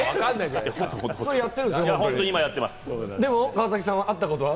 でも川崎さんは、会ったことは？